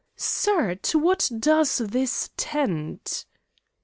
"Sir, to what does this tend?"